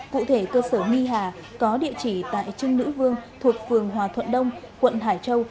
cụ thể cơ sở nghi hà có địa chỉ tại trưng nữ vương thuộc phường hòa thuận đông quận hải châu